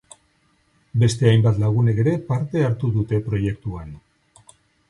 Beste hainbat lagunek ere parte hartu dute proiektuan.